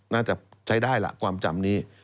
น่าจะใช้ได้ล่ะความจำนี้